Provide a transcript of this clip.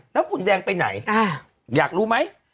แล้วฝุ่นแดงไปไหนอยากรู้ไหม